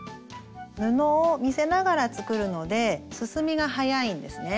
布を見せながら作るので進みが速いんですね。